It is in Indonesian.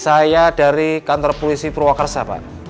saya dari kantor polisi purwakarsa pak